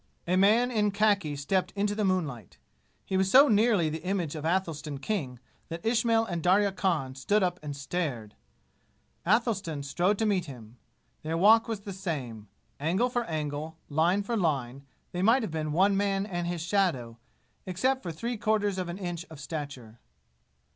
A man in khaki stepped into the moonlight. He was so nearly the image of Athelstan King that Ismail and Darya Khan stood up and stared. Athelstan strode to meet him. Their walk was the same. Angle for angle, line for line, they might have been one man and his shadow, except for three quarters of an inch of stature.